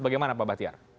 bagaimana pak batiar